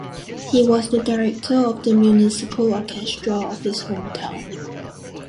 He was the director of the municipal orchestra of his home town.